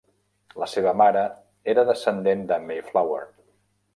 La seva mare era descendent de "Mayflower".